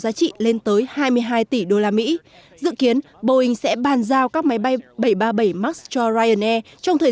giá trị lên tới hai mươi hai tỷ usd dự kiến boeing sẽ bàn giao các máy bay bảy trăm ba mươi bảy max cho ryanair trong thời